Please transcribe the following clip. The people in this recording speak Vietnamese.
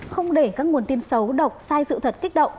không để các nguồn tin xấu độc sai sự thật kích động